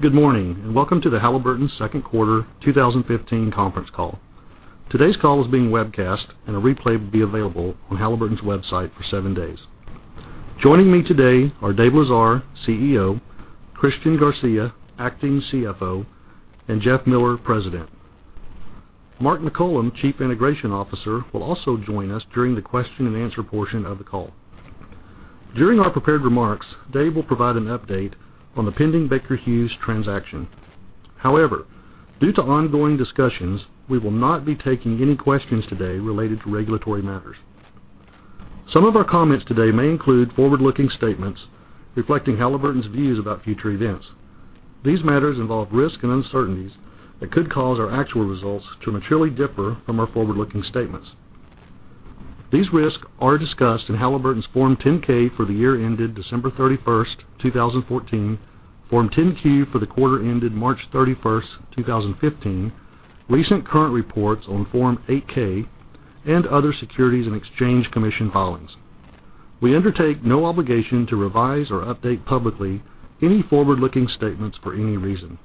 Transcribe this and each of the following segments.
Good morning, welcome to the Halliburton second quarter 2015 conference call. Today's call is being webcast, a replay will be available on Halliburton's website for seven days. Joining me today are Dave Lesar, CEO, Christian Garcia, Acting CFO, and Jeff Miller, President. Mark McCollum, Chief Integration Officer, will also join us during the question and answer portion of the call. During our prepared remarks, Dave will provide an update on the pending Baker Hughes transaction. Due to ongoing discussions, we will not be taking any questions today related to regulatory matters. Some of our comments today may include forward-looking statements reflecting Halliburton's views about future events. These matters involve risks and uncertainties that could cause our actual results to materially differ from our forward-looking statements. These risks are discussed in Halliburton's Form 10-K for the year ended December 31, 2014, Form 10-Q for the quarter ended March 31, 2015, recent current reports on Form 8-K, and other Securities and Exchange Commission filings. We undertake no obligation to revise or update publicly any forward-looking statements for any reason.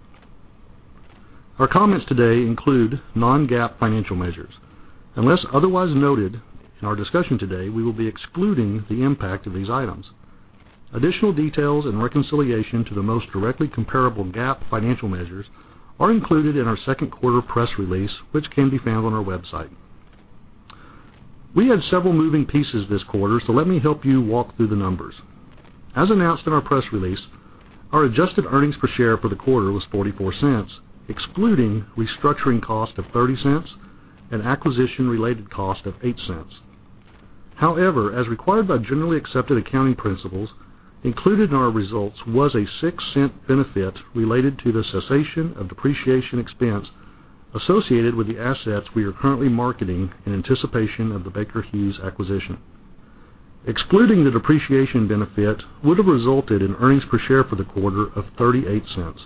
Our comments today include non-GAAP financial measures. Unless otherwise noted in our discussion today, we will be excluding the impact of these items. Additional details and reconciliation to the most directly comparable GAAP financial measures are included in our second quarter press release, which can be found on our website. We had several moving pieces this quarter, let me help you walk through the numbers. As announced in our press release, our adjusted earnings per share for the quarter was $0.44, excluding restructuring cost of $0.30 and acquisition-related cost of $0.08. As required by Generally Accepted Accounting Principles, included in our results was a $0.06 benefit related to the cessation of depreciation expense associated with the assets we are currently marketing in anticipation of the Baker Hughes acquisition. Excluding the depreciation benefit would have resulted in earnings per share for the quarter of $0.38.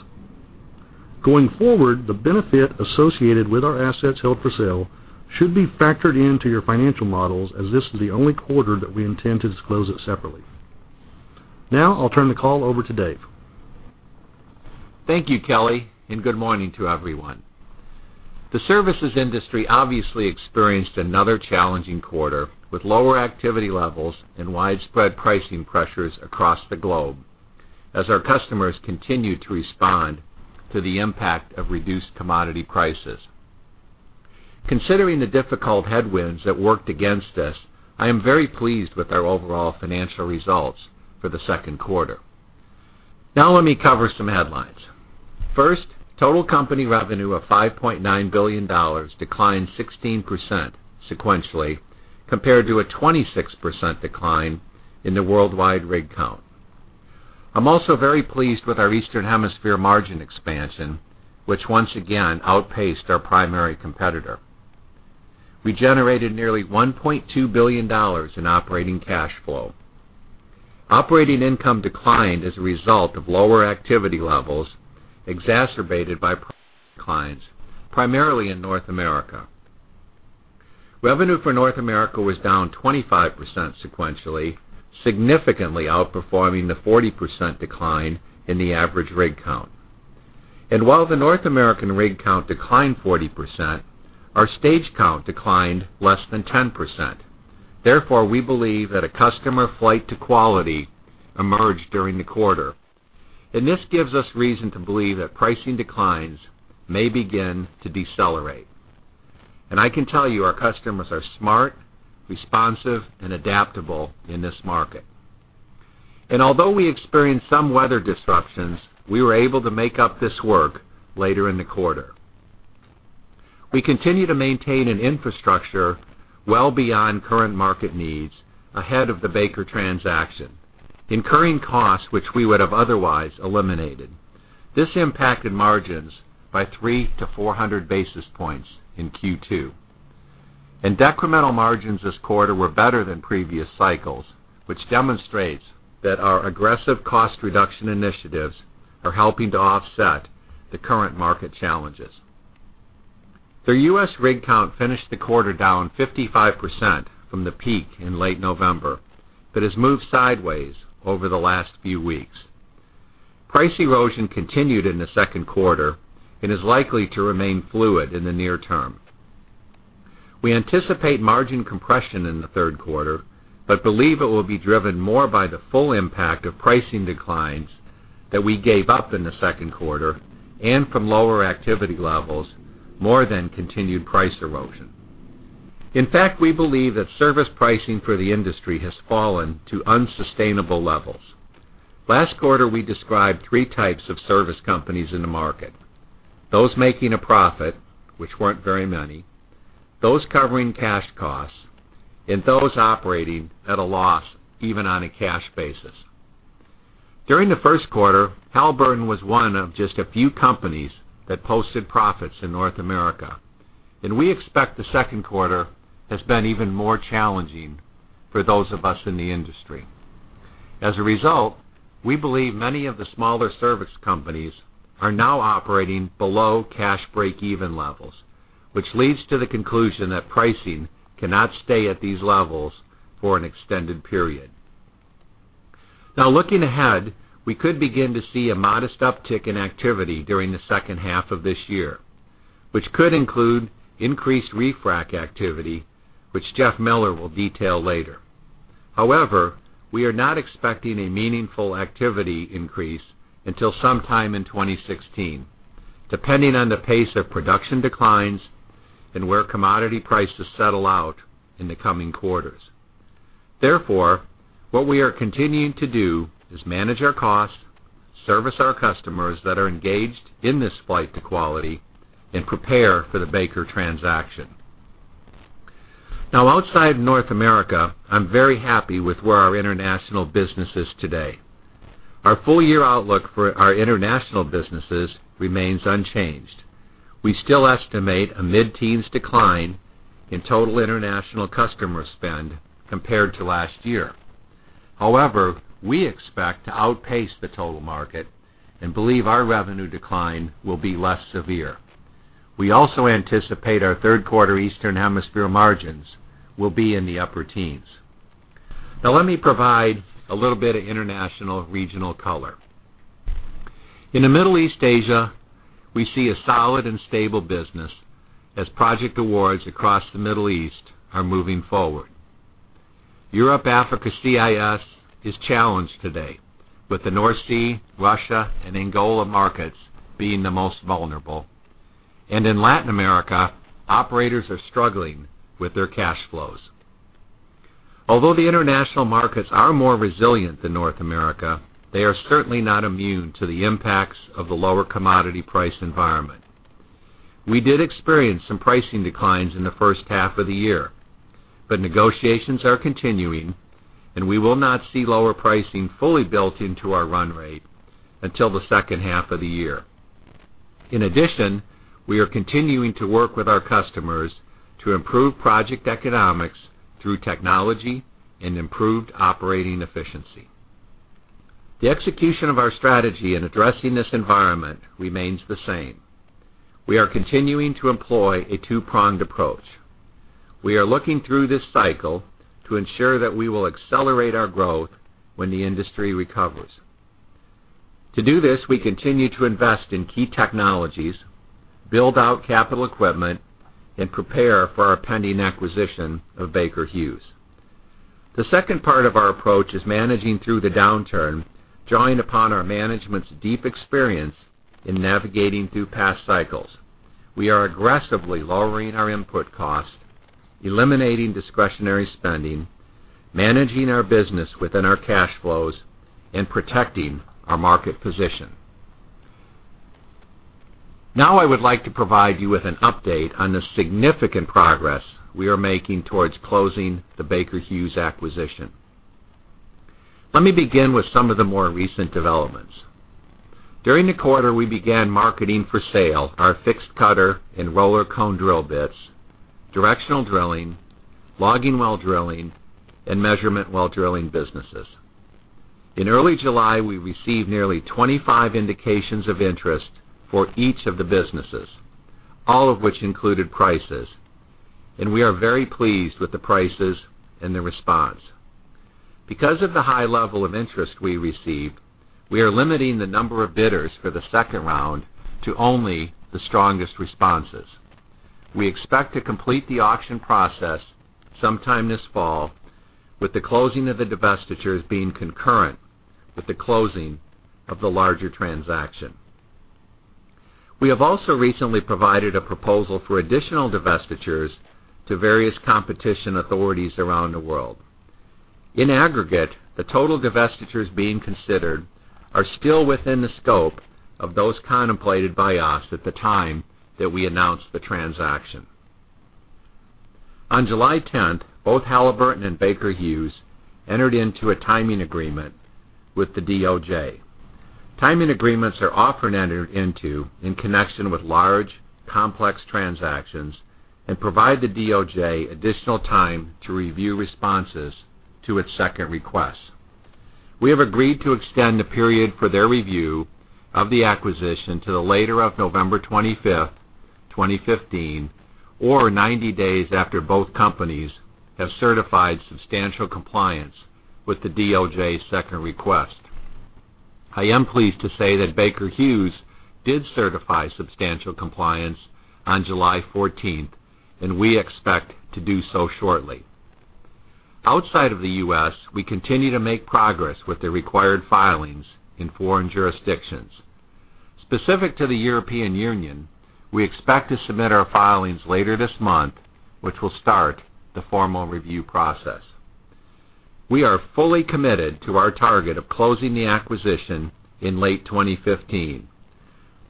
Going forward, the benefit associated with our assets held for sale should be factored into your financial models, as this is the only quarter that we intend to disclose it separately. I'll turn the call over to Dave. Thank you, Kelly, good morning to everyone. The services industry obviously experienced another challenging quarter, with lower activity levels and widespread pricing pressures across the globe as our customers continue to respond to the impact of reduced commodity prices. Considering the difficult headwinds that worked against us, I am very pleased with our overall financial results for the second quarter. Let me cover some headlines. First, total company revenue of $5.9 billion declined 16% sequentially compared to a 26% decline in the worldwide rig count. I'm also very pleased with our Eastern Hemisphere margin expansion, which once again outpaced our primary competitor. We generated nearly $1.2 billion in operating cash flow. Operating income declined as a result of lower activity levels, exacerbated by price declines, primarily in North America. Revenue for North America was down 25% sequentially, significantly outperforming the 40% decline in the average rig count. While the North American rig count declined 40%, our stage count declined less than 10%. Therefore, we believe that a customer flight to quality emerged during the quarter, this gives us reason to believe that pricing declines may begin to decelerate. I can tell you, our customers are smart, responsive, and adaptable in this market. Although we experienced some weather disruptions, we were able to make up this work later in the quarter. We continue to maintain an infrastructure well beyond current market needs ahead of the Baker transaction, incurring costs which we would have otherwise eliminated. This impacted margins by 300-400 basis points in Q2. Decremental margins this quarter were better than previous cycles, which demonstrates that our aggressive cost reduction initiatives are helping to offset the current market challenges. The U.S. rig count finished the quarter down 55% from the peak in late November but has moved sideways over the last few weeks. Price erosion continued in the second quarter and is likely to remain fluid in the near term. We anticipate margin compression in the third quarter but believe it will be driven more by the full impact of pricing declines that we gave up in the second quarter and from lower activity levels more than continued price erosion. In fact, we believe that service pricing for the industry has fallen to unsustainable levels. Last quarter, we described three types of service companies in the market, those making a profit, which weren't very many, those covering cash costs, and those operating at a loss even on a cash basis. During the first quarter, Halliburton was one of just a few companies that posted profits in North America, we expect the second quarter has been even more challenging for those of us in the industry. As a result, we believe many of the smaller service companies are now operating below cash break-even levels, which leads to the conclusion that pricing cannot stay at these levels for an extended period. Looking ahead, we could begin to see a modest uptick in activity during the second half of this year, which could include increased refrac activity, which Jeff Miller will detail later. However, we are not expecting a meaningful activity increase until sometime in 2016, depending on the pace of production declines and where commodity prices settle out in the coming quarters. Therefore, what we are continuing to do is manage our cost, service our customers that are engaged in this flight to quality, prepare for the Baker transaction. Outside North America, I'm very happy with where our international business is today. Our full-year outlook for our international businesses remains unchanged. We still estimate a mid-teens decline in total international customer spend compared to last year. However, we expect to outpace the total market and believe our revenue decline will be less severe. We also anticipate our third quarter Eastern Hemisphere margins will be in the upper teens. Let me provide a little bit of international regional color. In the Middle East/Asia, we see a solid and stable business as project awards across the Middle East are moving forward. Europe, Africa, CIS is challenged today, with the North Sea, Russia, and Angola markets being the most vulnerable. In Latin America, operators are struggling with their cash flows. Although the international markets are more resilient than North America, they are certainly not immune to the impacts of the lower commodity price environment. We did experience some pricing declines in the first half of the year, but negotiations are continuing, and we will not see lower pricing fully built into our run rate until the second half of the year. In addition, we are continuing to work with our customers to improve project economics through technology and improved operating efficiency. The execution of our strategy in addressing this environment remains the same. We are continuing to employ a two-pronged approach. We are looking through this cycle to ensure that we will accelerate our growth when the industry recovers. To do this, we continue to invest in key technologies, build out capital equipment, and prepare for our pending acquisition of Baker Hughes. The second part of our approach is managing through the downturn, drawing upon our management's deep experience in navigating through past cycles. We are aggressively lowering our input costs, eliminating discretionary spending, managing our business within our cash flows, and protecting our market position. Now I would like to provide you with an update on the significant progress we are making towards closing the Baker Hughes acquisition. Let me begin with some of the more recent developments. During the quarter, we began marketing for sale our fixed cutter and roller cone drill bits, directional drilling, logging while drilling, and measurement while drilling businesses. In early July, we received nearly 25 indications of interest for each of the businesses, all of which included prices, and we are very pleased with the prices and the response. Because of the high level of interest we receive, we are limiting the number of bidders for the second round to only the strongest responses. We expect to complete the auction process sometime this fall, with the closing of the divestitures being concurrent with the closing of the larger transaction. We have also recently provided a proposal for additional divestitures to various competition authorities around the world. In aggregate, the total divestitures being considered are still within the scope of those contemplated by us at the time that we announced the transaction. On July 10th, both Halliburton and Baker Hughes entered into a timing agreement with the DOJ. Timing agreements are often entered into in connection with large, complex transactions and provide the DOJ additional time to review responses to its second request. We have agreed to extend the period for their review of the acquisition to the later of November 25th, 2015, or 90 days after both companies have certified substantial compliance with the DOJ's second request. I am pleased to say that Baker Hughes did certify substantial compliance on July 14th, and we expect to do so shortly. Outside of the U.S., we continue to make progress with the required filings in foreign jurisdictions. Specific to the European Union, we expect to submit our filings later this month, which will start the formal review process. We are fully committed to our target of closing the acquisition in late 2015,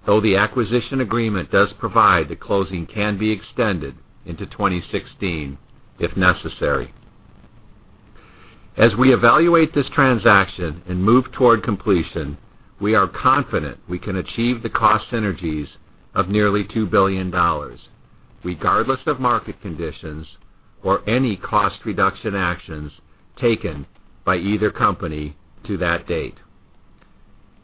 though the acquisition agreement does provide the closing can be extended into 2016 if necessary. As we evaluate this transaction and move toward completion, we are confident we can achieve the cost synergies of nearly $2 billion, regardless of market conditions or any cost reduction actions taken by either company to that date.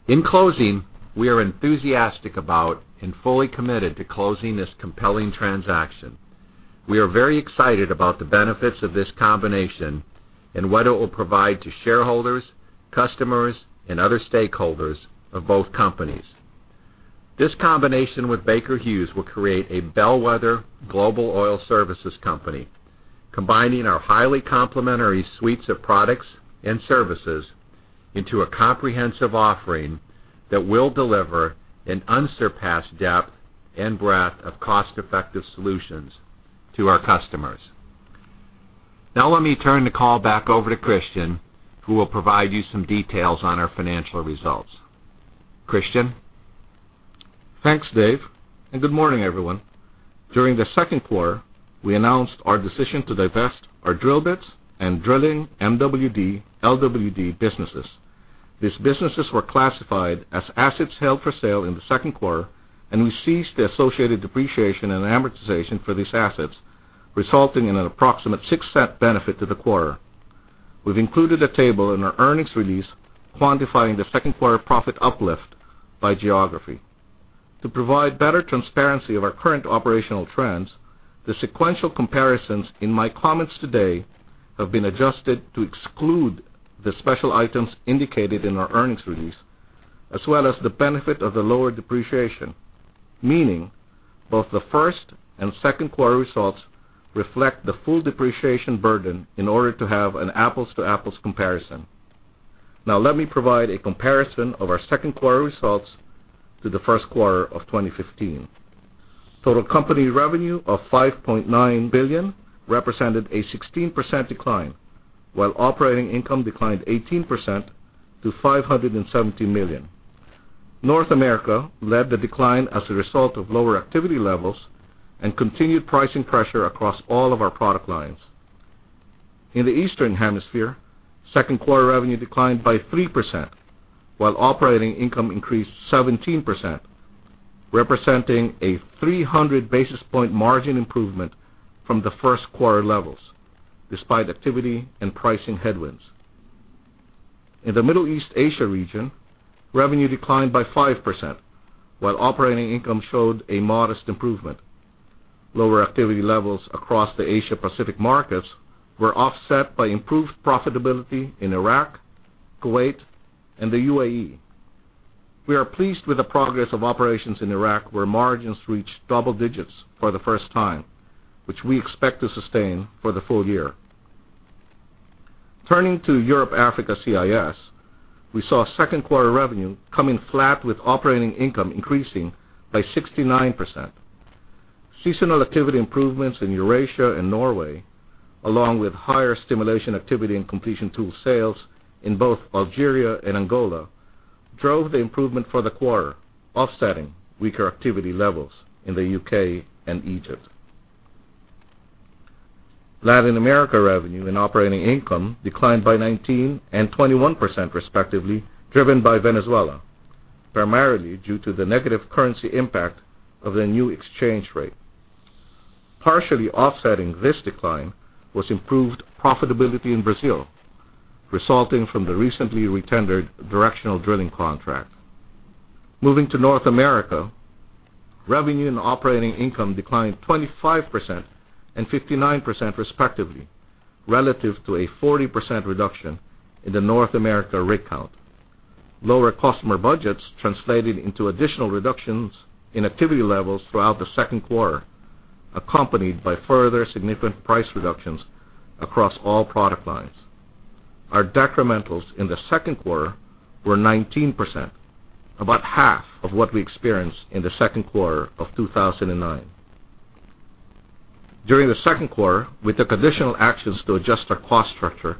In closing, we are enthusiastic about and fully committed to closing this compelling transaction. We are very excited about the benefits of this combination and what it will provide to shareholders, customers, and other stakeholders of both companies. This combination with Baker Hughes will create a bellwether global oil services company, combining our highly complementary suites of products and services into a comprehensive offering that will deliver an unsurpassed depth and breadth of cost-effective solutions to our customers. Let me turn the call back over to Christian, who will provide you some details on our financial results. Christian? Thanks, Dave, and good morning, everyone. During the second quarter, we announced our decision to divest our drill bits and drilling MWD, LWD businesses. These businesses were classified as assets held for sale in the second quarter, and we ceased the associated depreciation and amortization for these assets, resulting in an approximate $0.06 benefit to the quarter. We've included a table in our earnings release quantifying the second quarter profit uplift by geography. To provide better transparency of our current operational trends, the sequential comparisons in my comments today have been adjusted to exclude the special items indicated in our earnings release, as well as the benefit of the lower depreciation. Meaning, both the first and second quarter results reflect the full depreciation burden in order to have an apples-to-apples comparison. Let me provide a comparison of our second quarter results to the first quarter of 2015. Total company revenue of $5.9 billion represented a 16% decline, while operating income declined 18% to $570 million. North America led the decline as a result of lower activity levels and continued pricing pressure across all of our product lines. In the Eastern Hemisphere, second quarter revenue declined by 3%, while operating income increased 17%, representing a 300 basis point margin improvement from the first quarter levels, despite activity and pricing headwinds. In the Middle East/Asia region, revenue declined by 5%, while operating income showed a modest improvement. Lower activity levels across the Asia Pacific markets were offset by improved profitability in Iraq, Kuwait, and the UAE. We are pleased with the progress of operations in Iraq, where margins reached double digits for the first time, which we expect to sustain for the full year. Turning to Europe, Africa, CIS, we saw second quarter revenue coming flat with operating income increasing by 69%. Seasonal activity improvements in Eurasia and Norway, along with higher stimulation activity and completion tool sales in both Algeria and Angola, drove the improvement for the quarter, offsetting weaker activity levels in the U.K. and Egypt. Latin America revenue and operating income declined by 19% and 21% respectively, driven by Venezuela, primarily due to the negative currency impact of the new exchange rate. Partially offsetting this decline was improved profitability in Brazil, resulting from the recently retendered directional drilling contract. Moving to North America, revenue and operating income declined 25% and 59% respectively, relative to a 40% reduction in the North America rig count. Lower customer budgets translated into additional reductions in activity levels throughout the second quarter, accompanied by further significant price reductions across all product lines. Our decrementals in the second quarter were 19%, about half of what we experienced in the second quarter of 2009. During the second quarter, we took additional actions to adjust our cost structure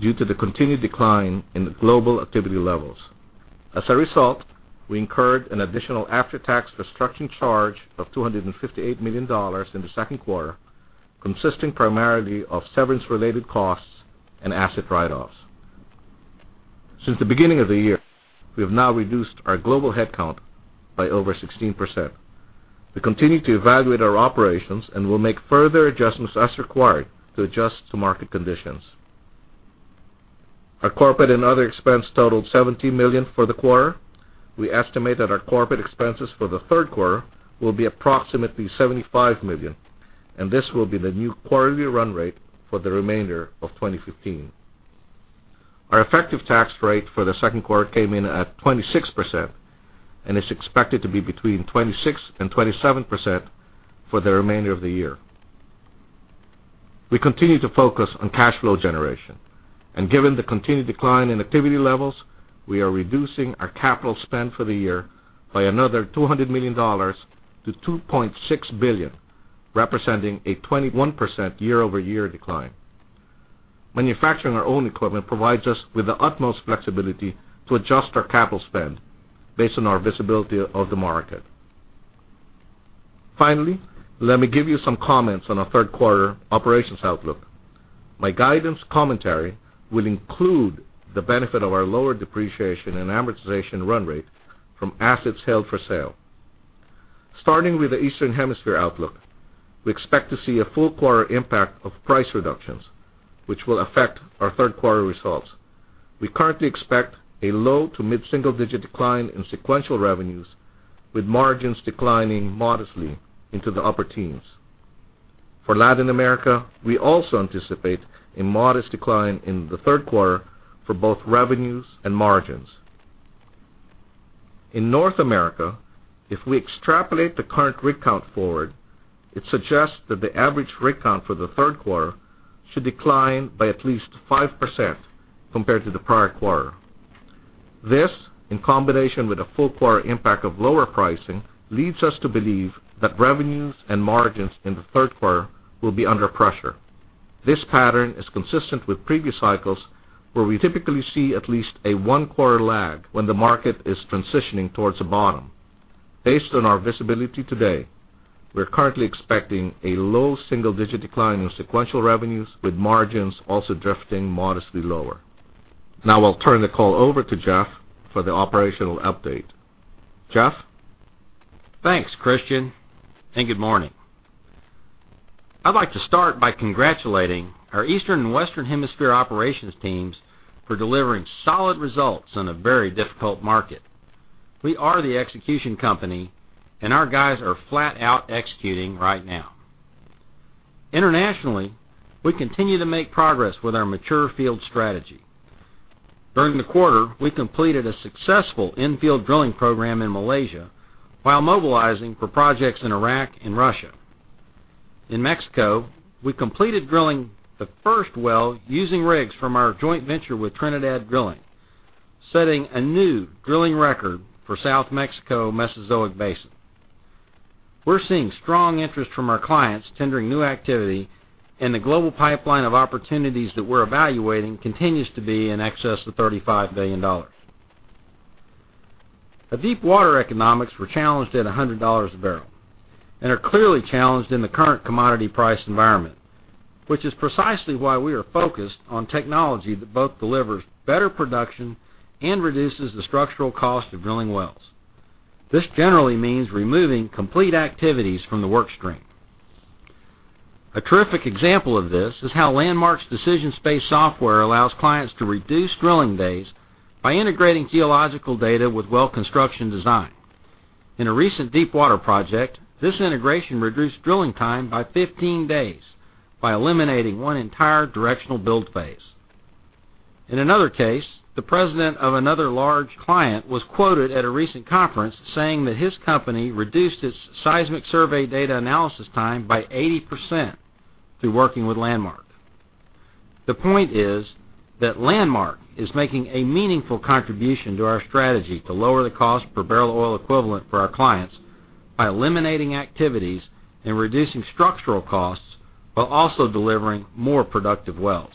due to the continued decline in the global activity levels. As a result, we incurred an additional after-tax restructuring charge of $258 million in the second quarter, consisting primarily of severance related costs and asset write-offs. Since the beginning of the year, we have now reduced our global headcount by over 16%. We continue to evaluate our operations and will make further adjustments as required to adjust to market conditions. Our corporate and other expense totaled $70 million for the quarter. We estimate that our corporate expenses for the third quarter will be approximately $75 million, and this will be the new quarterly run rate for the remainder of 2015. Our effective tax rate for the second quarter came in at 26% and is expected to be between 26% and 27% for the remainder of the year. We continue to focus on cash flow generation, given the continued decline in activity levels, we are reducing our capital spend for the year by another $200 million to $2.6 billion, representing a 21% year-over-year decline. Manufacturing our own equipment provides us with the utmost flexibility to adjust our capital spend based on our visibility of the market. Finally, let me give you some comments on our third quarter operations outlook. My guidance commentary will include the benefit of our lower depreciation and amortization run rate from assets held for sale. Starting with the Eastern Hemisphere outlook, we expect to see a full quarter impact of price reductions, which will affect our third quarter results. We currently expect a low to mid-single-digit decline in sequential revenues, with margins declining modestly into the upper teens. For Latin America, we also anticipate a modest decline in the third quarter for both revenues and margins. In North America, if we extrapolate the current rig count forward, it suggests that the average rig count for the third quarter should decline by at least 5% compared to the prior quarter. This, in combination with a full quarter impact of lower pricing, leads us to believe that revenues and margins in the third quarter will be under pressure. This pattern is consistent with previous cycles, where we typically see at least a one-quarter lag when the market is transitioning towards the bottom. Based on our visibility today, we are currently expecting a low single-digit decline in sequential revenues, with margins also drifting modestly lower. I'll turn the call over to Jeff for the operational update. Jeff? Thanks, Christian, and good morning. I'd like to start by congratulating our Eastern and Western Hemisphere operations teams for delivering solid results in a very difficult market. We are the execution company, and our guys are flat out executing right now. Internationally, we continue to make progress with our mature field strategy. During the quarter, we completed a successful in-field drilling program in Malaysia while mobilizing for projects in Iraq and Russia. In Mexico, we completed drilling the first well using rigs from our joint venture with Trinidad Drilling, setting a new drilling record for Southern Mexico Mesozoic Basin. We're seeing strong interest from our clients tendering new activity, and the global pipeline of opportunities that we're evaluating continues to be in excess of $35 billion. The deep water economics were challenged at $100 a barrel and are clearly challenged in the current commodity price environment. Which is precisely why we are focused on technology that both delivers better production and reduces the structural cost of drilling wells. This generally means removing complete activities from the work stream. A terrific example of this is how Landmark's DecisionSpace software allows clients to reduce drilling days by integrating geological data with well construction design. In a recent deep water project, this integration reduced drilling time by 15 days by eliminating one entire directional build phase. In another case, the president of another large client was quoted at a recent conference saying that his company reduced its seismic survey data analysis time by 80% through working with Landmark. The point is that Landmark is making a meaningful contribution to our strategy to lower the cost per BOE for our clients by eliminating activities and reducing structural costs, while also delivering more productive wells.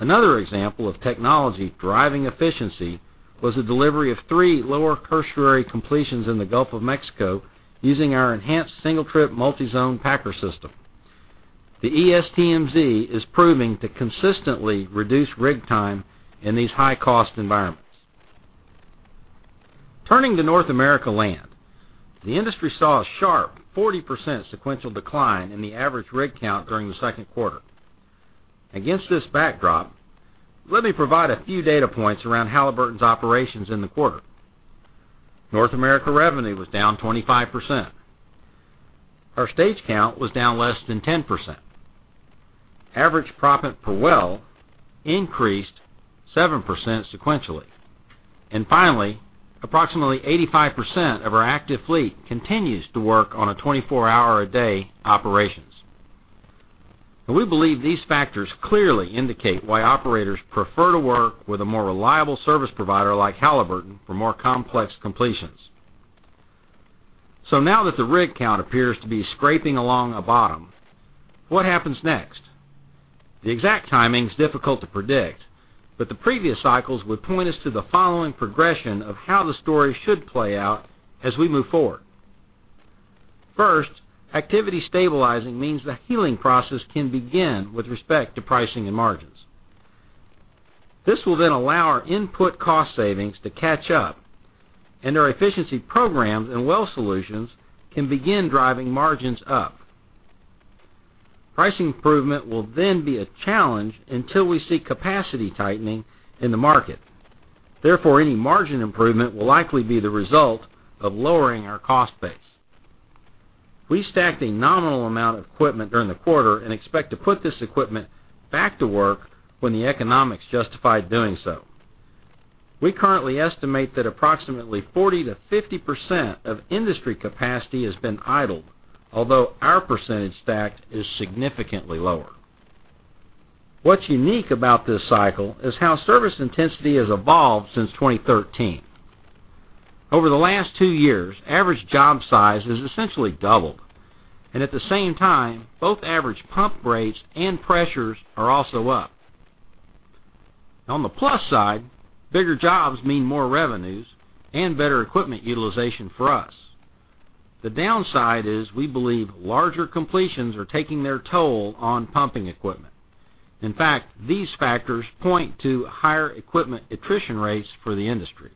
Another example of technology driving efficiency was the delivery of three Lower Tertiary completions in the Gulf of Mexico using our Enhanced Single-Trip Multizone system. The ESTMZ is proving to consistently reduce rig time in these high-cost environments. Turning to North America land, the industry saw a sharp 40% sequential decline in the average rig count during the second quarter. Against this backdrop, let me provide a few data points around Halliburton's operations in the quarter. North America revenue was down 25%. Our stage count was down less than 10%. Average profit per well increased 7% sequentially. Finally, approximately 85% of our active fleet continues to work on a 24 hour a day operations. We believe these factors clearly indicate why operators prefer to work with a more reliable service provider like Halliburton for more complex completions. Now that the rig count appears to be scraping along a bottom, what happens next? The exact timing is difficult to predict, but the previous cycles would point us to the following progression of how the story should play out as we move forward. First, activity stabilizing means the healing process can begin with respect to pricing and margins. This will then allow our input cost savings to catch up and our efficiency programs and well solutions can begin driving margins up. Pricing improvement will then be a challenge until we see capacity tightening in the market. Therefore, any margin improvement will likely be the result of lowering our cost base. We stacked a nominal amount of equipment during the quarter and expect to put this equipment back to work when the economics justify doing so. We currently estimate that approximately 40%-50% of industry capacity has been idled, although our percentage stacked is significantly lower. What's unique about this cycle is how service intensity has evolved since 2013. Over the last two years, average job size has essentially doubled, and at the same time, both average pump rates and pressures are also up. On the plus side, bigger jobs mean more revenues and better equipment utilization for us. The downside is we believe larger completions are taking their toll on pumping equipment. In fact, these factors point to higher equipment attrition rates for the industry.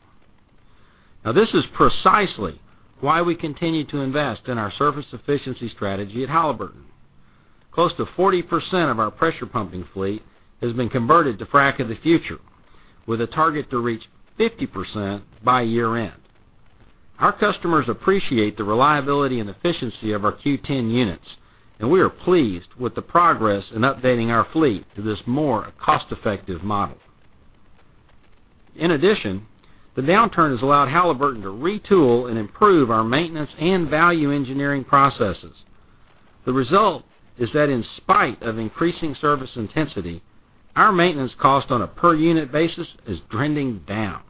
This is precisely why we continue to invest in our surface efficiency strategy at Halliburton. Close to 40% of our pressure pumping fleet has been converted to Frac of the Future, with a target to reach 50% by year-end. Our customers appreciate the reliability and efficiency of our Q10 units, and we are pleased with the progress in updating our fleet to this more cost-effective model. In addition, the downturn has allowed Halliburton to retool and improve our maintenance and value engineering processes. The result is that in spite of increasing service intensity, our maintenance cost on a per-unit basis is trending down,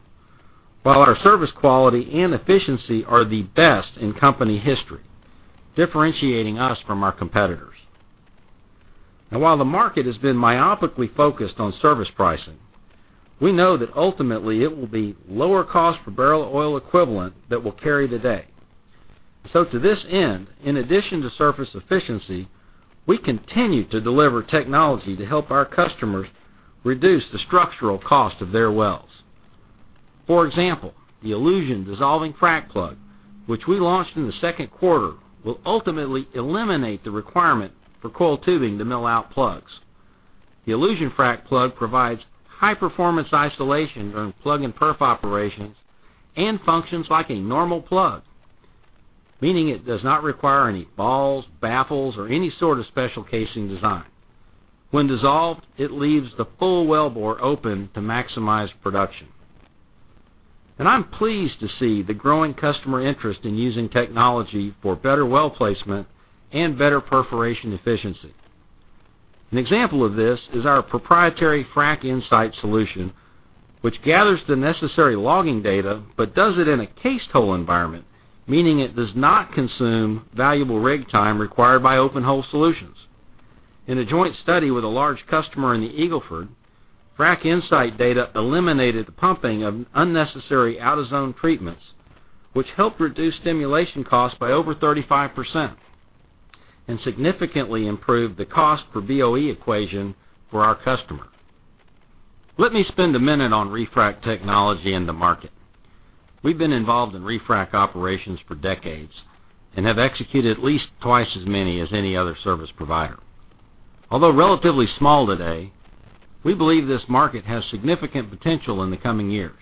while our service quality and efficiency are the best in company history, differentiating us from our competitors. While the market has been myopically focused on service pricing, we know that ultimately it will be lower cost per barrel oil equivalent that will carry the day. To this end, in addition to surface efficiency, we continue to deliver technology to help our customers reduce the structural cost of their wells. For example, the Illusion dissolving frac plug, which we launched in the second quarter, will ultimately eliminate the requirement for coiled tubing to mill out plugs. The Illusion frac plug provides high-performance isolation during plug and perf operations and functions like a normal plug, meaning it does not require any balls, baffles, or any sort of special casing design. When dissolved, it leaves the full wellbore open to maximize production. I'm pleased to see the growing customer interest in using technology for better well placement and better perforation efficiency. An example of this is our proprietary FracInsight solution, which gathers the necessary logging data but does it in a cased hole environment, meaning it does not consume valuable rig time required by open hole solutions. In a joint study with a large customer in the Eagle Ford, FracInsight data eliminated the pumping of unnecessary out-of-zone treatments, which helped reduce stimulation costs by over 35% and significantly improved the cost per BOE equation for our customer. Let me spend a minute on refrac technology in the market. We've been involved in refrac operations for decades and have executed at least twice as many as any other service provider. Although relatively small today, we believe this market has significant potential in the coming years.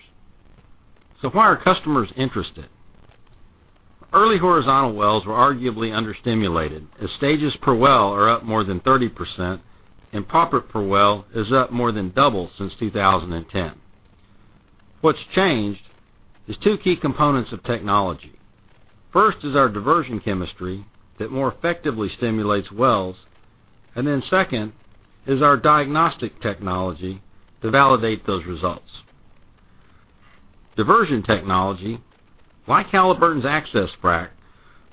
Why are customers interested? Early horizontal wells were arguably under-stimulated, as stages per well are up more than 30%, and proppant per well is up more than double since 2010. What's changed is two key components of technology. First is our diversion chemistry that more effectively stimulates wells, and then second is our diagnostic technology to validate those results. Diversion technology, like Halliburton's AccessFrac,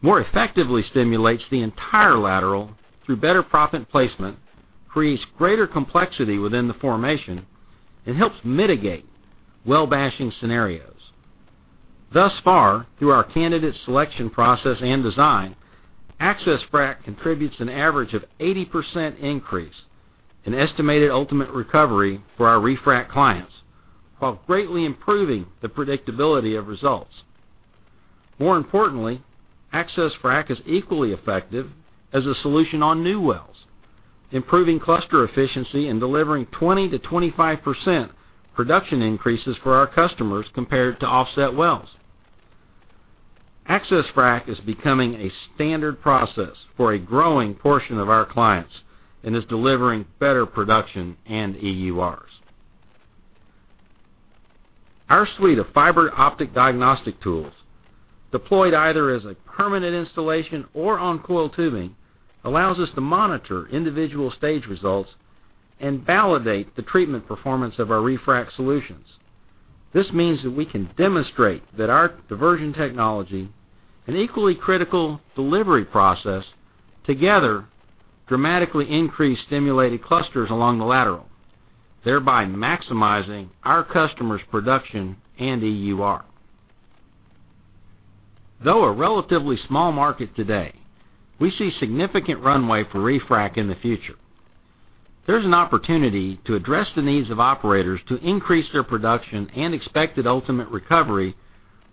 more effectively stimulates the entire lateral through better proppant placement, creates greater complexity within the formation, and helps mitigate well bashing scenarios. Thus far, through our candidate selection process and design, AccessFrac contributes an average of 80% increase in estimated ultimate recovery for our refrac clients, while greatly improving the predictability of results. More importantly, AccessFrac is equally effective as a solution on new wells, improving cluster efficiency and delivering 20%-25% production increases for our customers compared to offset wells. AccessFrac is becoming a standard process for a growing portion of our clients and is delivering better production and EURs. Our suite of fiber optic diagnostic tools, deployed either as a permanent installation or on coiled tubing, allows us to monitor individual stage results and validate the treatment performance of our refrac solutions. This means that we can demonstrate that our diversion technology and equally critical delivery process together dramatically increase stimulated clusters along the lateral, thereby maximizing our customers' production and EUR. Though a relatively small market today, we see significant runway for refrac in the future. There's an opportunity to address the needs of operators to increase their production and expected ultimate recovery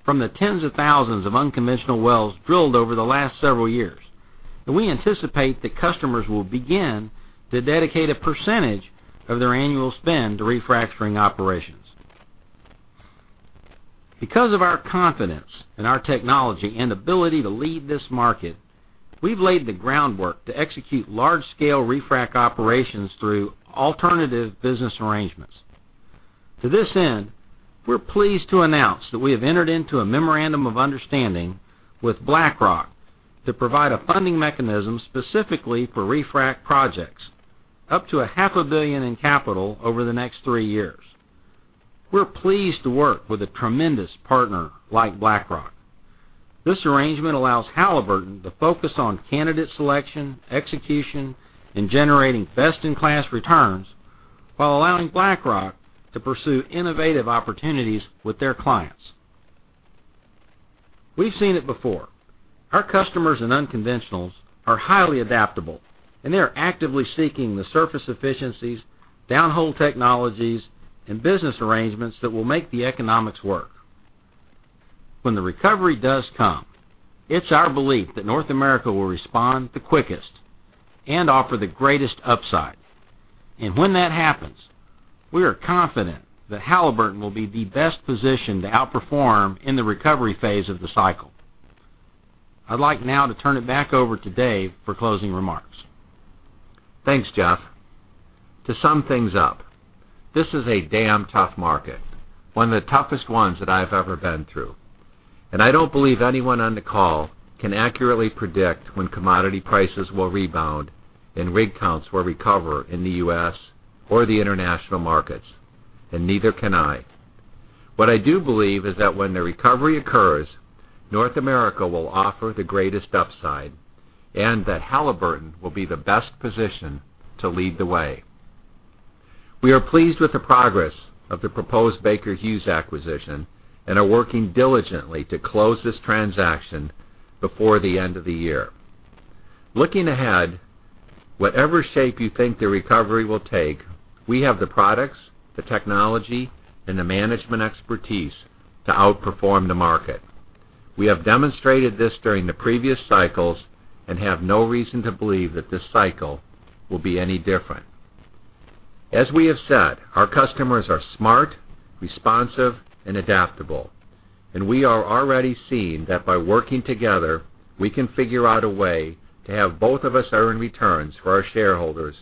from the tens of thousands of unconventional wells drilled over the last several years. We anticipate that customers will begin to dedicate a percentage of their annual spend to refracturing operations. Because of our confidence in our technology and ability to lead this market, we've laid the groundwork to execute large-scale refrac operations through alternative business arrangements. To this end, we're pleased to announce that we have entered into a memorandum of understanding with BlackRock to provide a funding mechanism specifically for refrac projects, up to a half a billion in capital over the next three years. We're pleased to work with a tremendous partner like BlackRock. This arrangement allows Halliburton to focus on candidate selection, execution, and generating best-in-class returns while allowing BlackRock to pursue innovative opportunities with their clients. We've seen it before. Our customers in unconventionals are highly adaptable, and they're actively seeking the surface efficiencies, downhole technologies, and business arrangements that will make the economics work. When the recovery does come, it's our belief that North America will respond the quickest and offer the greatest upside. When that happens, we are confident that Halliburton will be the best positioned to outperform in the recovery phase of the cycle. I'd like now to turn it back over to Dave for closing remarks. Thanks, Jeff. To sum things up, this is a damn tough market, one of the toughest ones that I've ever been through. I don't believe anyone on the call can accurately predict when commodity prices will rebound and rig counts will recover in the U.S. or the international markets, and neither can I. What I do believe is that when the recovery occurs, North America will offer the greatest upside and that Halliburton will be the best position to lead the way. We are pleased with the progress of the proposed Baker Hughes acquisition and are working diligently to close this transaction before the end of the year. Looking ahead, whatever shape you think the recovery will take, we have the products, the technology, and the management expertise to outperform the market. We have demonstrated this during the previous cycles and have no reason to believe that this cycle will be any different. As we have said, our customers are smart, responsive, and adaptable, and we are already seeing that by working together, we can figure out a way to have both of us earn returns for our shareholders,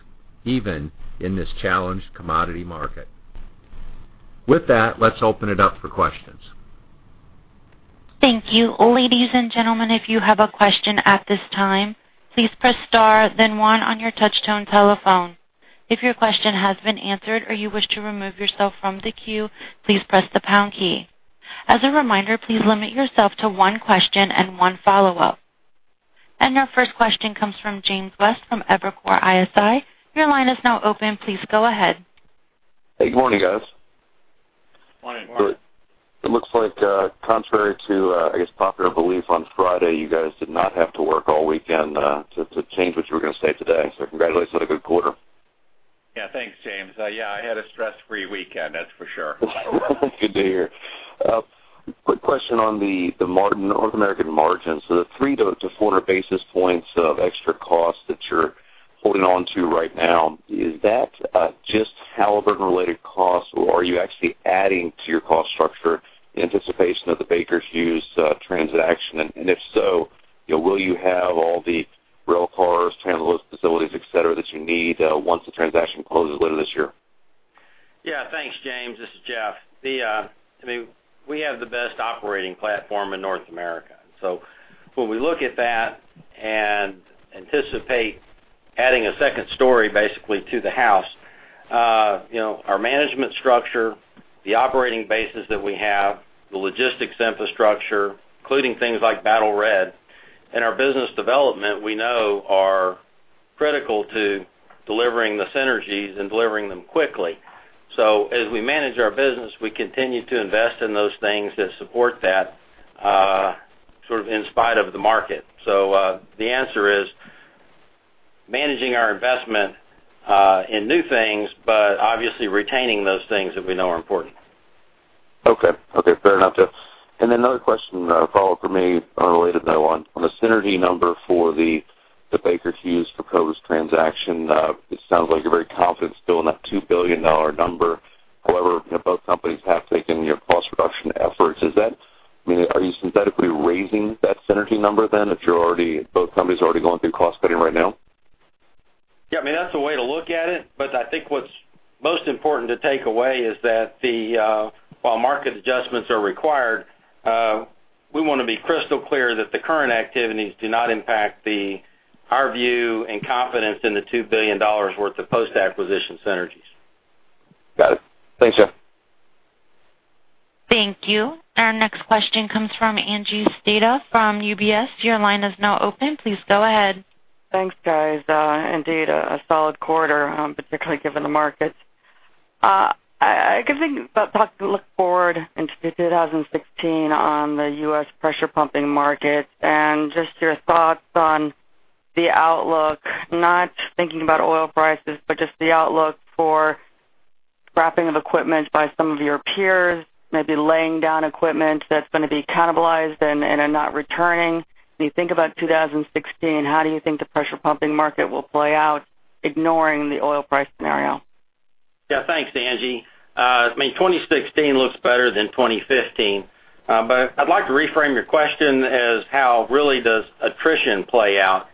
even in this challenged commodity market. With that, let's open it up for questions. Thank you. Ladies and gentlemen, if you have a question at this time, please press star then one on your touch tone telephone. If your question has been answered or you wish to remove yourself from the queue, please press the pound key. As a reminder, please limit yourself to one question and one follow-up. Our first question comes from James West from Evercore ISI. Your line is now open. Please go ahead. Hey, good morning, guys. Morning. Morning. It looks like contrary to, I guess, popular belief on Friday, you guys did not have to work all weekend to change what you were going to say today, so congratulations on a good quarter. Thanks, James. I had a stress-free weekend, that's for sure. Good to hear. Quick question on the North American margins. The 300 basis points of extra cost that you're holding on to right now, is that just Halliburton-related costs, or are you actually adding to your cost structure in anticipation of the Baker Hughes transaction? If so, will you have all the rail cars, transload facilities, et cetera, that you need once the transaction closes later this year? Thanks, James. This is Jeff. We have the best operating platform in North America. When we look at that and anticipate adding a second story basically to the house, our management structure, the operating bases that we have, the logistics infrastructure, including things like Battle Red, and our business development, we know are critical to delivering the synergies and delivering them quickly. As we manage our business, we continue to invest in those things that support that sort of in spite of the market. The answer is managing our investment in new things, but obviously retaining those things that we know are important. Okay. Fair enough, Jeff. Another question, a follow-up from me, unrelated to that one. On the synergy number for the Baker Hughes proposed transaction, it sounds like you're very confident still in that $2 billion number. However, both companies have taken cost reduction efforts. Are you synthetically raising that synergy number if both companies are already going through cost cutting right now? Yeah, that's a way to look at it, I think what's most important to take away is that while market adjustments are required, we want to be crystal clear that the current activities do not impact our view and confidence in the $2 billion worth of post-acquisition synergies. Got it. Thanks, Jeff. Thank you. Our next question comes from Angie Sedita from UBS. Your line is now open. Please go ahead. Thanks, guys. Indeed, a solid quarter, particularly given the markets. I guess we can look forward into 2016 on the U.S. pressure pumping market and just your thoughts on the outlook, not thinking about oil prices, but just the outlook for scrapping of equipment by some of your peers, maybe laying down equipment that's going to be cannibalized and are not returning. When you think about 2016, how do you think the pressure pumping market will play out, ignoring the oil price scenario? Yeah. Thanks, Angie. 2016 looks better than 2015. I'd like to reframe your question as how really does attrition play out.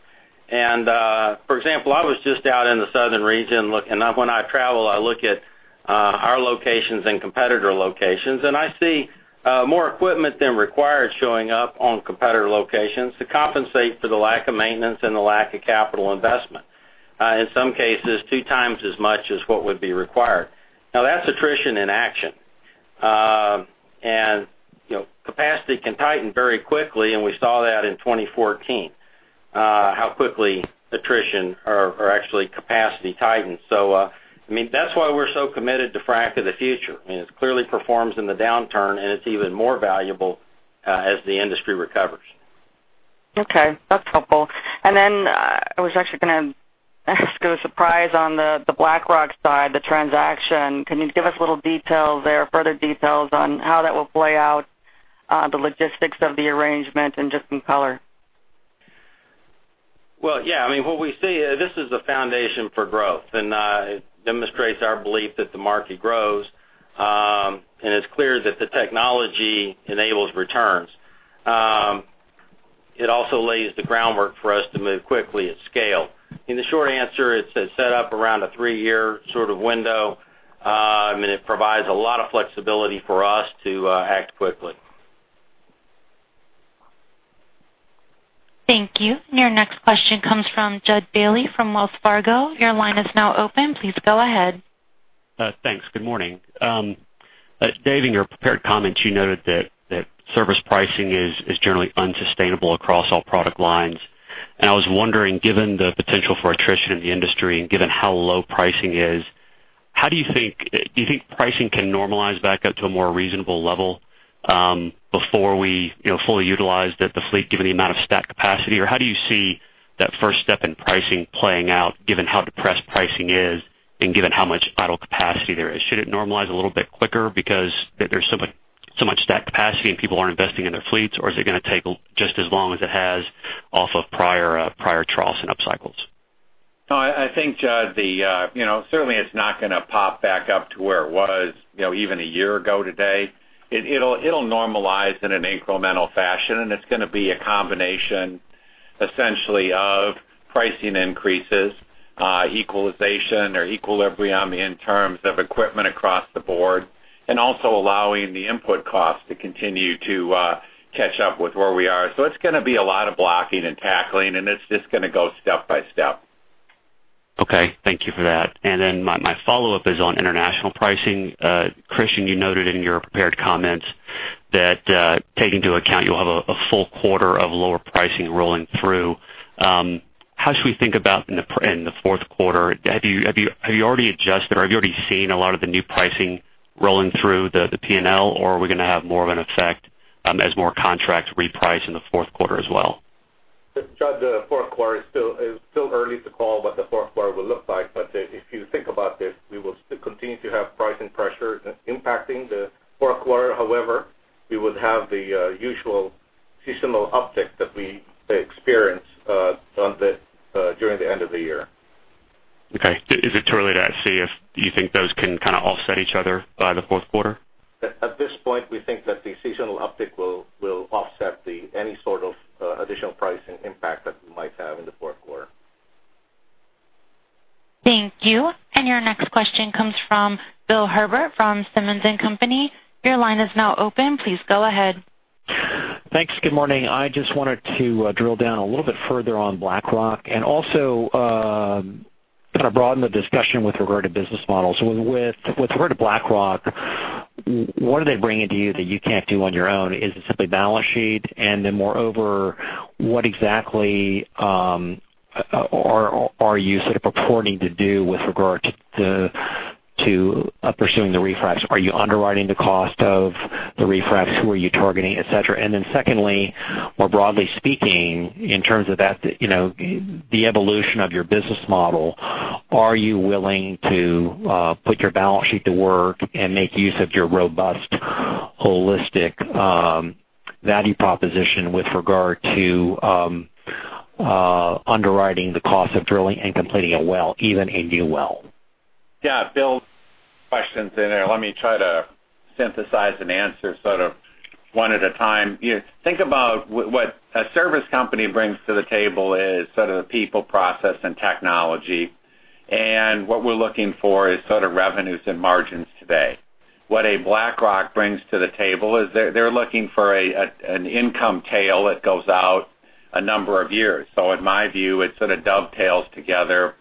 For example, I was just out in the southern region looking. When I travel, I look at our locations and competitor locations, and I see more equipment than required showing up on competitor locations to compensate for the lack of maintenance and the lack of capital investment. In some cases, two times as much as what would be required. Now, that's attrition in action. Capacity can tighten very quickly, and we saw that in 2014, how quickly attrition, or actually capacity tightened. That's why we're so committed to Frac of the Future. It clearly performs in the downturn, and it's even more valuable as the industry recovers. Okay, that's helpful. I was actually going to ask you a surprise on the BlackRock side, the transaction. Can you give us a little details there, further details on how that will play out, the logistics of the arrangement and just some color? Well, yeah. What we see, this is a foundation for growth, and it demonstrates our belief that the market grows. It's clear that the technology enables returns. It also lays the groundwork for us to move quickly at scale. In the short answer, it's set up around a 3-year sort of window. It provides a lot of flexibility for us to act quickly. Thank you. Your next question comes from Jud Bailey from Wells Fargo. Your line is now open. Please go ahead. Thanks. Good morning. Dave, in your prepared comments, you noted that service pricing is generally unsustainable across all product lines. I was wondering, given the potential for attrition in the industry and given how low pricing is, do you think pricing can normalize back up to a more reasonable level before we fully utilize the fleet, given the amount of stacked capacity? How do you see that first step in pricing playing out given how depressed pricing is and given how much idle capacity there is? Should it normalize a little bit quicker because there's so much stacked capacity and people aren't investing in their fleets, or is it going to take just as long as it has off of prior troughs and upcycles? No, I think, Jud, certainly it's not going to pop back up to where it was even a year ago today. It'll normalize in an incremental fashion, and it's going to be a combination essentially of pricing increases, equalization or equilibrium in terms of equipment across the board. Also allowing the input costs to continue to catch up with where we are. It's going to be a lot of blocking and tackling, and it's just going to go step by step. My follow-up is on international pricing. Christian, you noted in your prepared comments that, taking into account you'll have a full quarter of lower pricing rolling through. How should we think about in the fourth quarter, have you already adjusted or have you already seen a lot of the new pricing rolling through the P&L, or are we going to have more of an effect as more contracts reprice in the fourth quarter as well? Jud, the fourth quarter is still early to call what the fourth quarter will look like. If you think about this, we will continue to have pricing pressure impacting the fourth quarter. However, we would have the usual seasonal uptick that we experience during the end of the year. Okay. Is it too early to see if you think those can kind of offset each other by the fourth quarter? At this point, we think that the seasonal uptick will offset any sort of additional pricing impact that we might have in the fourth quarter. Thank you. Your next question comes from Bill Herbert from Simmons & Company. Your line is now open. Please go ahead. Thanks. Good morning. I just wanted to drill down a little bit further on BlackRock and also kind of broaden the discussion with regard to business models. With regard to BlackRock, what are they bringing to you that you can't do on your own? Is it simply balance sheet? Moreover, what exactly are you sort of purporting to do with regard to pursuing the refracs? Are you underwriting the cost of the refracs? Who are you targeting, et cetera? Secondly, more broadly speaking, in terms of the evolution of your business model, are you willing to put your balance sheet to work and make use of your robust, holistic value proposition with regard to underwriting the cost of drilling and completing a well, even a new well? Yeah. Bill, questions in there. Let me try to synthesize an answer sort of one at a time. Think about what a service company brings to the table is sort of the people, process, and technology. What we're looking for is sort of revenues and margins today. What a BlackRock brings to the table is they're looking for an income tail that goes out a number of years. In my view, it sort of dovetails together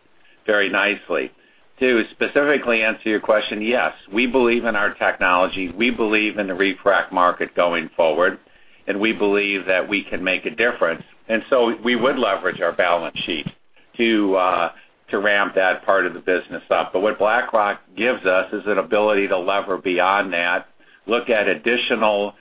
very nicely. To specifically answer your question, yes, we believe in our technology, we believe in the refrac market going forward, and we believe that we can make a difference. We would leverage our balance sheet to ramp that part of the business up. What BlackRock gives us is an ability to lever beyond that, look at additional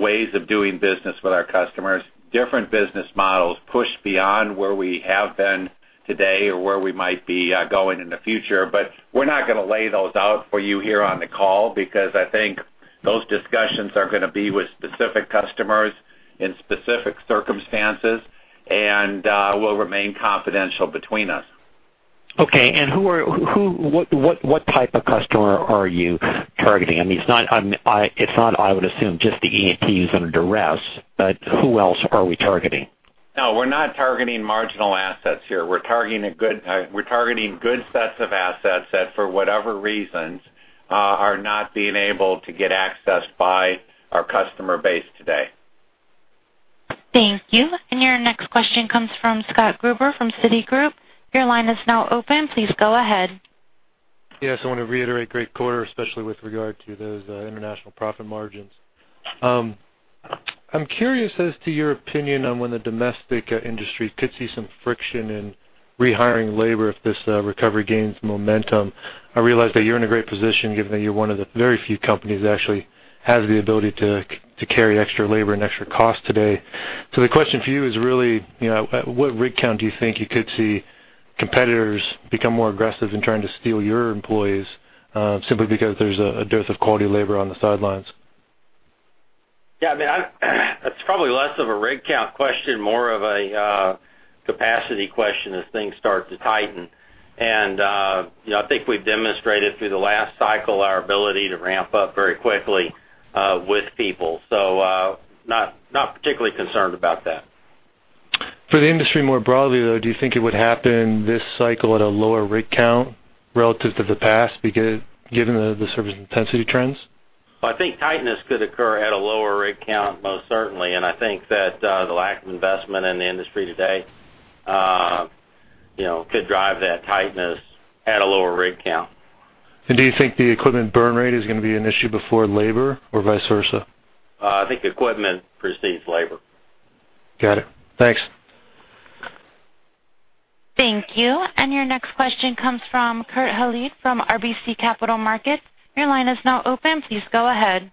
ways of doing business with our customers, different business models, push beyond where we have been today or where we might be going in the future. We're not going to lay those out for you here on the call, because I think those discussions are going to be with specific customers in specific circumstances and will remain confidential between us. Okay. What type of customer are you targeting? It's not, I would assume, just the E&Ps under duress, but who else are we targeting? No, we're not targeting marginal assets here. We're targeting good sets of assets that, for whatever reasons, are not being able to get access by our customer base today. Thank you. Your next question comes from Scott Gruber from Citigroup. Your line is now open. Please go ahead. Yes, I want to reiterate great quarter, especially with regard to those international profit margins. I'm curious as to your opinion on when the domestic industry could see some friction in rehiring labor if this recovery gains momentum. I realize that you're in a great position given that you're one of the very few companies that actually has the ability to carry extra labor and extra cost today. The question for you is really at what rig count do you think you could see competitors become more aggressive in trying to steal your employees, simply because there's a dearth of quality labor on the sidelines? It's probably less of a rig count question, more of a capacity question as things start to tighten. I think we've demonstrated through the last cycle our ability to ramp up very quickly with people. Not particularly concerned about that. For the industry more broadly, though, do you think it would happen this cycle at a lower rig count relative to the past, given the service intensity trends? Well, I think tightness could occur at a lower rig count, most certainly. I think that the lack of investment in the industry today could drive that tightness at a lower rig count. Do you think the equipment burn rate is going to be an issue before labor or vice versa? I think equipment precedes labor. Got it. Thanks. Thank you. Your next question comes from Kurt Hallead from RBC Capital Markets. Your line is now open. Please go ahead.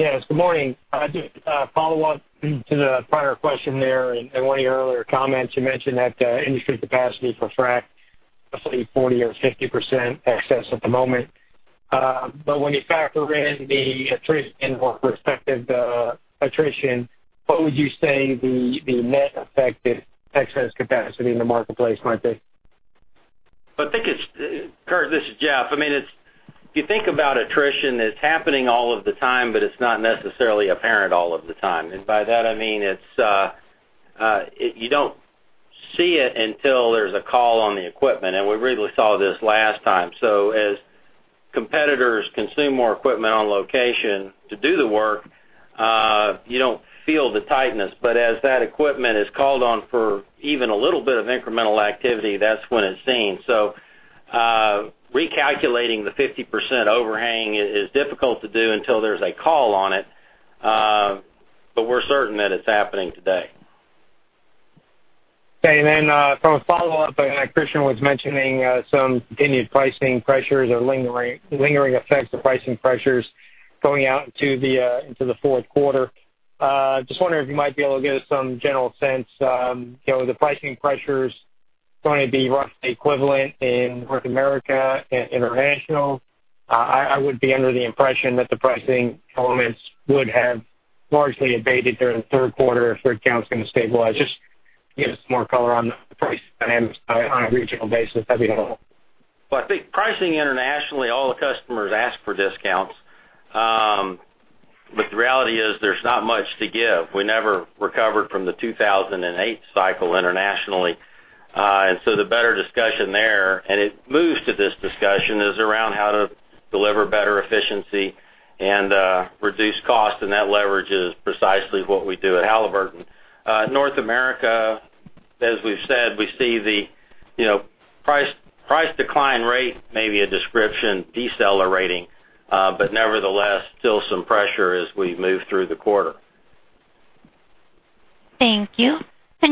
Yes, good morning. Just a follow up to the prior question there and one of your earlier comments, you mentioned that industry capacity for frac, I believe 40% or 50% excess at the moment. When you factor in the attrition, what would you say the net effect excess capacity in the marketplace might be? Kurt, this is Jeff. If you think about attrition, it's happening all of the time, but it's not necessarily apparent all of the time. By that I mean, you don't see it until there's a call on the equipment, and we really saw this last time. As competitors consume more equipment on location to do the work, you don't feel the tightness. As that equipment is called on for even a little bit of incremental activity, that's when it's seen. Recalculating the 50% overhang is difficult to do until there's a call on it, but we're certain that it's happening today. Okay, from a follow up, Christian was mentioning some continued pricing pressures or lingering effects of pricing pressures going out into the fourth quarter. Just wondering if you might be able to give us some general sense. The pricing pressures going to be roughly equivalent in North America and international. I would be under the impression that the pricing elements would have largely abated during the third quarter if rig count's going to stabilize. Just give us some more color on the price dynamics on a regional basis, that'd be helpful. Well, I think pricing internationally, all the customers ask for discounts. The reality is there's not much to give. We never recovered from the 2008 cycle internationally. The better discussion there, and it moves to this discussion, is around how to deliver better efficiency and reduce cost, and that leverage is precisely what we do at Halliburton. North America, as we've said, we see the price decline rate may be a description decelerating, nevertheless still some pressure as we move through the quarter. Thank you.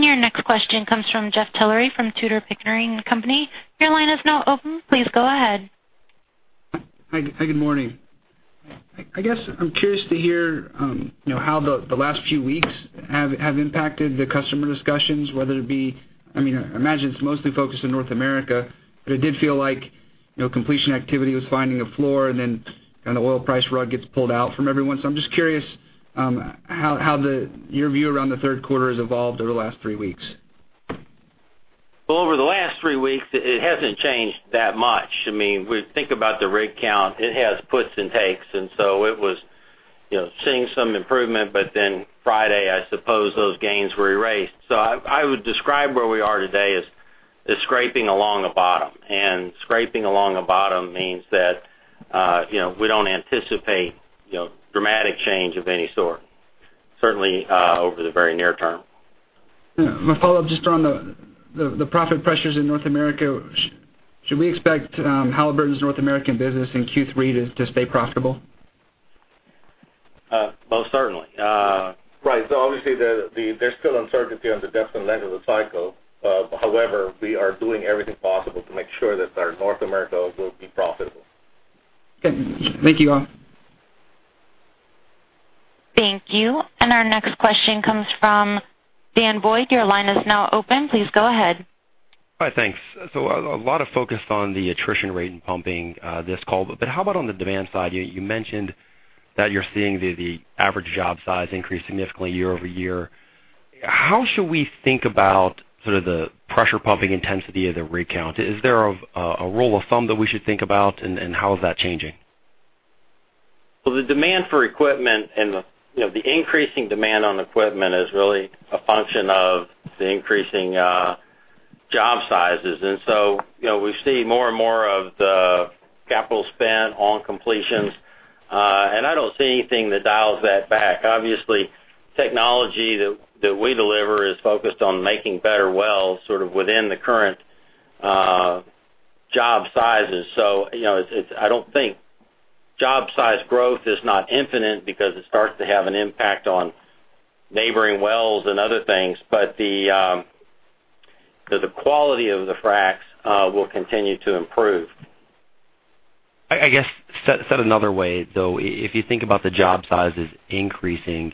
Your next question comes from Jeff Tillery from Tudor, Pickering, Holt & Co. Your line is now open. Please go ahead. Hi, good morning. I guess I'm curious to hear how the last few weeks have impacted the customer discussions. I imagine it's mostly focused in North America, but it did feel like completion activity was finding a floor and then the oil price rug gets pulled out from everyone. I'm just curious how your view around the third quarter has evolved over the last three weeks. Well, over the last three weeks, it hasn't changed that much. We think about the rig count, it has puts and takes, and so it was seeing some improvement, but then Friday, I suppose those gains were erased. I would describe where we are today as scraping along the bottom. Scraping along the bottom means that we don't anticipate dramatic change of any sort, certainly over the very near term. My follow-up just around the profit pressures in North America. Should we expect Halliburton's North American business in Q3 to stay profitable? Most certainly. Right. obviously there's still uncertainty on the depth and length of the cycle. However, we are doing everything possible to make sure that our North America will be profitable. Okay. Thank you all. Thank you. our next question comes from Daniel Boyd. Your line is now open. Please go ahead. Hi, thanks. a lot of focus on the attrition rate in pumping this call, but how about on the demand side? You mentioned that you're seeing the average job size increase significantly year-over-year. How should we think about sort of the pressure pumping intensity of the rig count? Is there a rule of thumb that we should think about, and how is that changing? The demand for equipment and the increasing demand on equipment is really a function of the increasing job sizes. We see more and more of the capital spend on completions. I don't see anything that dials that back. Obviously, technology that we deliver is focused on making better wells sort of within the current job sizes. I don't think job size growth is not infinite because it starts to have an impact on neighboring wells and other things. The quality of the fracs will continue to improve. I guess, said another way, though, if you think about the job sizes increasing,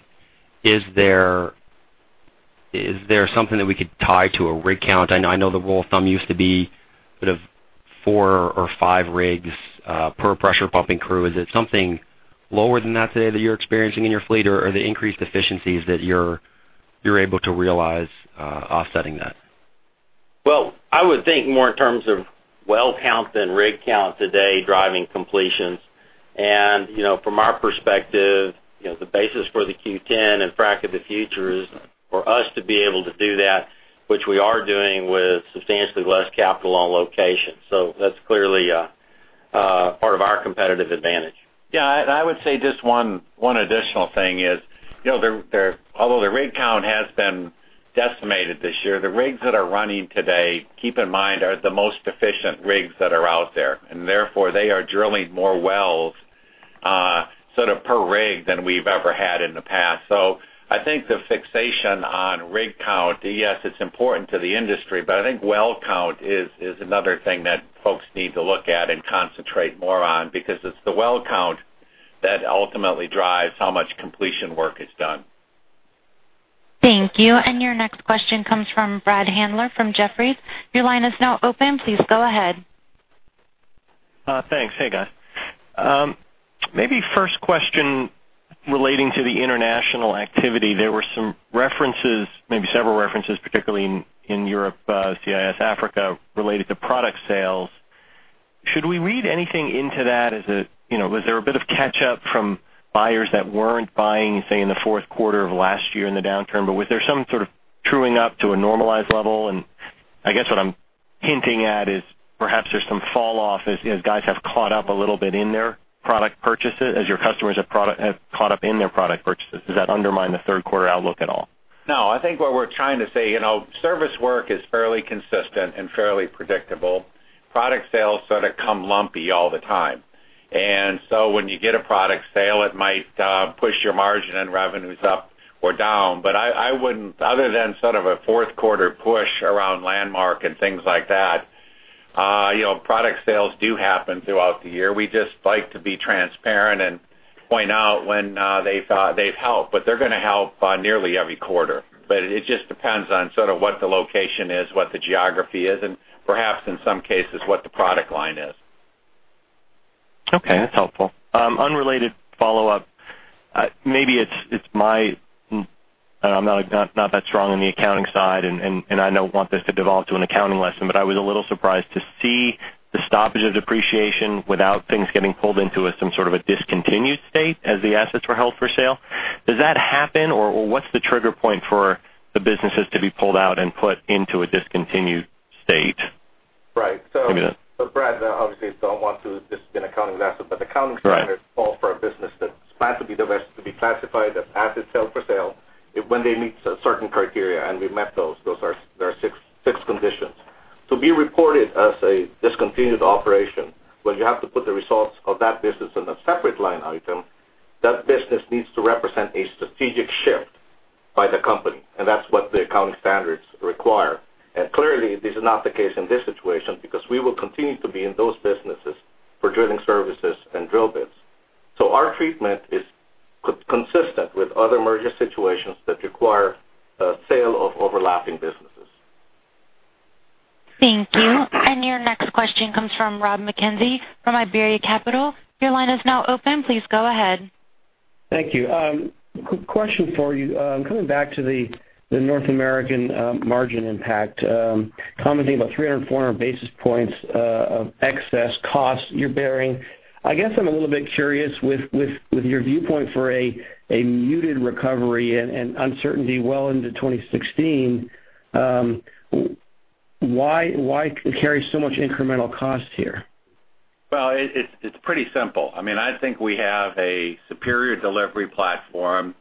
is there something that we could tie to a rig count? I know the rule of thumb used to be sort of four or five rigs per pressure pumping crew. Is it something lower than that today that you're experiencing in your fleet, or are the increased efficiencies that you're able to realize offsetting that? I would think more in terms of well count than rig count today driving completions. From our perspective, the basis for the Q10 and Frac of the Future is for us to be able to do that, which we are doing with substantially less capital on location. That's clearly part of our competitive advantage. I would say just one additional thing is, although the rig count has been decimated this year, the rigs that are running today, keep in mind, are the most efficient rigs that are out there, and therefore they are drilling more wells sort of per rig than we've ever had in the past. I think the fixation on rig count, yes, it's important to the industry, I think well count is another thing that folks need to look at and concentrate more on because it's the well count that ultimately drives how much completion work is done. Thank you. Your next question comes from Brad Handler from Jefferies. Your line is now open. Please go ahead. Thanks. Hey, guys. Maybe first question relating to the international activity. There were some references, maybe several references, particularly in Europe, CIS, Africa, related to product sales. Should we read anything into that as a was there a bit of catch-up from buyers that weren't buying, say, in the fourth quarter of last year in the downturn? Was there some sort of truing up to a normalized level? I guess what I'm hinting at is perhaps there's some falloff as guys have caught up a little bit in their product purchases, as your customers have caught up in their product purchases. Does that undermine the third quarter outlook at all? No, I think what we're trying to say, service work is fairly consistent and fairly predictable. Product sales sort of come lumpy all the time. So when you get a product sale, it might push your margin and revenues up or down. Other than sort of a fourth quarter push around Landmark and things like that, product sales do happen throughout the year. We just like to be transparent and point out when they've helped. They're going to help nearly every quarter. It just depends on sort of what the location is, what the geography is, and perhaps in some cases, what the product line is. Okay, that's helpful. Unrelated follow-up. I'm not that strong on the accounting side, and I don't want this to devolve to an accounting lesson, I was a little surprised to see the stoppage of depreciation without things getting pulled into some sort of a discontinued state as the assets were held for sale. Does that happen, or what's the trigger point for the businesses to be pulled out and put into a discontinued state? Right. Brad, obviously, I don't want this to be an accounting lesson. Right. The accounting standards call for a business that's planned to be divested to be classified as asset sale for sale when they meet certain criteria, and we've met those. Those are six conditions. To be reported as a discontinued operation, you have to put the results of that business in a separate line item. That business needs to represent a strategic shift by the company, and that's what the accounting standards require. Clearly, this is not the case in this situation because we will continue to be in those businesses for drilling services and drill bits. Our treatment is consistent with other merger situations that require a sale of overlapping businesses. Thank you. Your next question comes from Rob Mackenzie from Iberia Capital. Your line is now open. Please go ahead. Thank you. Question for you. Coming back to the North American margin impact, commenting about 300, 400 basis points of excess cost you're bearing. I guess I'm a little bit curious with your viewpoint for a muted recovery and uncertainty well into 2016. Why carry so much incremental cost here? Well, it's pretty simple. I think we have a superior delivery platform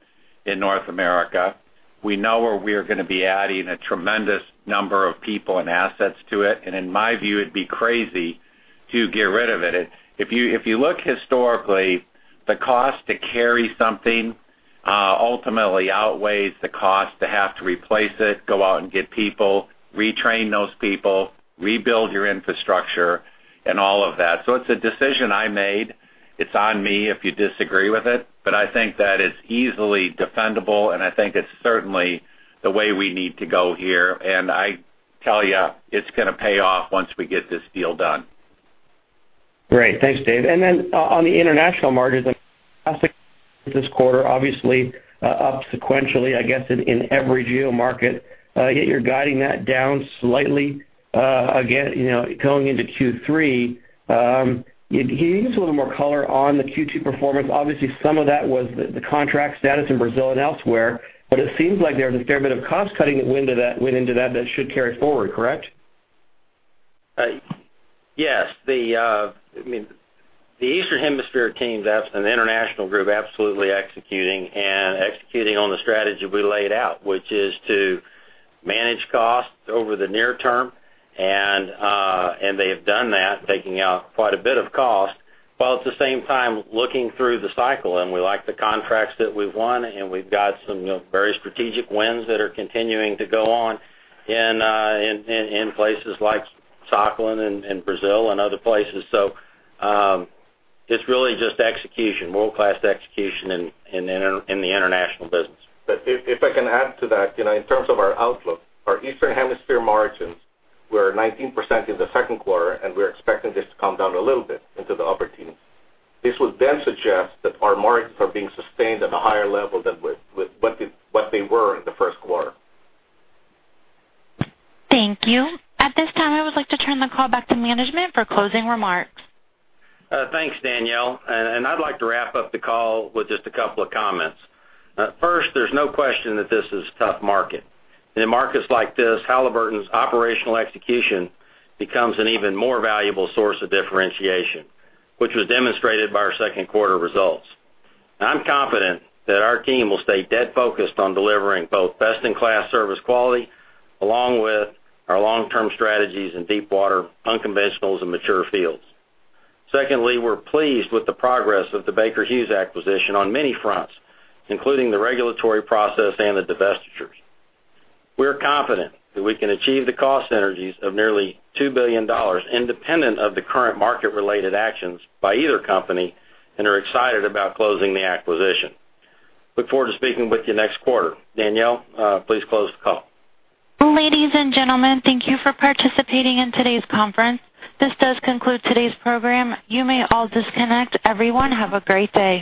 in North America. We know where we are going to be adding a tremendous number of people and assets to it. In my view, it'd be crazy to get rid of it. If you look historically, the cost to carry something ultimately outweighs the cost to have to replace it, go out and get people, retrain those people, rebuild your infrastructure, and all of that. It's a decision I made. It's on me if you disagree with it, but I think that it's easily defendable, and I think it's certainly the way we need to go here. I tell you, it's going to pay off once we get this deal done. Great. Thanks, Dave. Then on the international margins this quarter, obviously, up sequentially, I guess, in every geo market. Yet you're guiding that down slightly again, going into Q3. Can you give us a little more color on the Q2 performance? Obviously, some of that was the contract status in Brazil and elsewhere, but it seems like there's a fair bit of cost cutting that went into that should carry forward, correct? Yes. The Eastern Hemisphere team is an international group absolutely executing and executing on the strategy we laid out, which is to manage costs over the near term. They have done that, taking out quite a bit of cost, while at the same time looking through the cycle, we like the contracts that we've won, we've got some very strategic wins that are continuing to go on in places like Sakhalin and Brazil and other places. It's really just execution, world-class execution in the international business. If I can add to that, in terms of our outlook, our Eastern Hemisphere margins were 19% in the second quarter, we're expecting this to come down a little bit into the upper teens. This would then suggest that our margins are being sustained at a higher level than what they were in the first quarter. Thank you. At this time, I would like to turn the call back to management for closing remarks. Thanks, Danielle. I'd like to wrap up the call with just a couple of comments. First, there's no question that this is a tough market. In markets like this, Halliburton's operational execution becomes an even more valuable source of differentiation, which was demonstrated by our second quarter results. I'm confident that our team will stay dead focused on delivering both best-in-class service quality, along with our long-term strategies in deep water, unconventionals, and mature fields. Secondly, we're pleased with the progress of the Baker Hughes acquisition on many fronts, including the regulatory process and the divestitures. We're confident that we can achieve the cost synergies of nearly $2 billion independent of the current market-related actions by either company and are excited about closing the acquisition. Look forward to speaking with you next quarter. Danielle, please close the call. Ladies and gentlemen, thank you for participating in today's conference. This does conclude today's program. You may all disconnect. Everyone, have a great day.